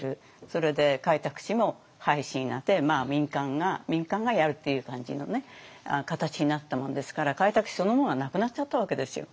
それで開拓使も廃止になって民間がやるっていう感じの形になったもんですから開拓使そのものはなくなっちゃったわけですよ。